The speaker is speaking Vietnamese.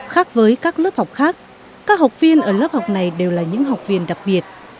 khác với các lớp học khác các học viên ở lớp học này đều là những học viên đặc biệt